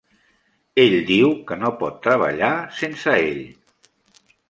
Ell diu que no pot treballar sense ell.